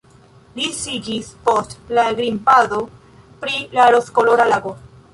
Li sciigis post la grimpado pri la rozkolora lago.